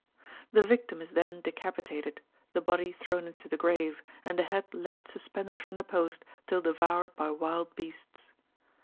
The victim is then decapitated, the body thrown into the grave, and the head left suspended from the post till devoured by wild beasts.